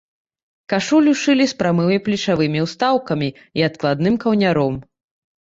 Кашулю шылі з прамымі плечавымі ўстаўкамі і адкладным каўняром.